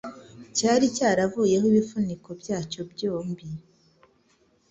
cyari cyaravuyeho ibifuniko byacyo byombi